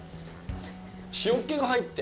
塩気が入って。